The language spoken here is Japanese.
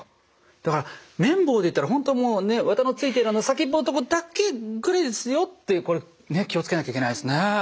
だから綿棒でいったら本当もう綿のついてる先っぽのとこだけぐらいですよってこれ気を付けなきゃいけないですね。